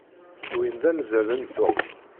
Win d azmal n Tom.